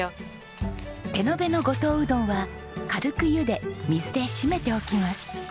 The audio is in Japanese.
手延べの五島うどんは軽くゆで水で締めておきます。